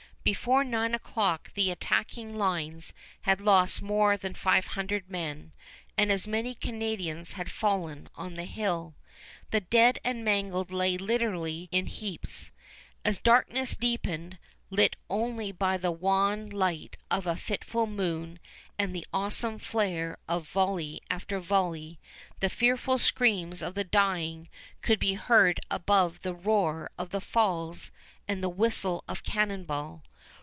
Before nine o'clock the attacking lines had lost more than five hundred men, and as many Canadians had fallen on the hill. The dead and mangled lay literally in heaps. As darkness deepened, lit only by the wan light of a fitful moon and the awesome flare of volley after volley, the fearful screams of the dying could be heard above the roar of the Falls and the whistle of cannon ball.